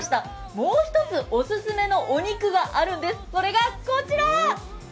もう一つお勧めのお肉があるんです、それがこちら。